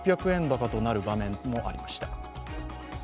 高となる場面もありました。